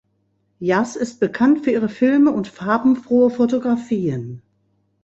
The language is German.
Yass ist bekannt für ihre Filme und farbenfrohen Fotografien.